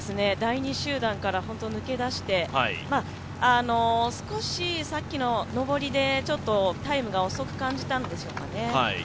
第２集団から抜け出して、少し、さっきの上りでタイムが遅く感じたんでしょうかね。